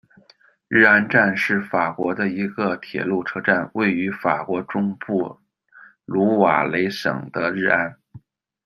日安站是法国的一个铁路车站，位于法国中部卢瓦雷省的日安。